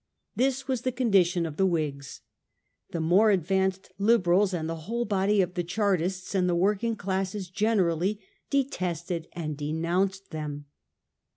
TMs was the condition of the "WMgs. The more advanced Liberals and the whole body of the Chartists, and the working classes generally, detested and denounced them.